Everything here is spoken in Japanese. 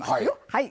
はい。